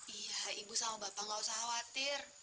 iya ibu sama bapak gak usah khawatir